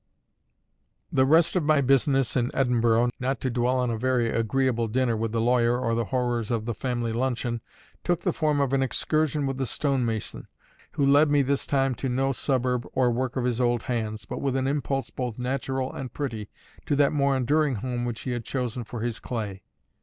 The rest of my business in Edinburgh, not to dwell on a very agreeable dinner with the lawyer or the horrors of the family luncheon, took the form of an excursion with the stonemason, who led me this time to no suburb or work of his old hands, but with an impulse both natural and pretty, to that more enduring home which he had chosen for his clay.